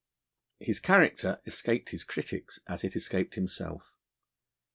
His character escaped his critics as it escaped himself.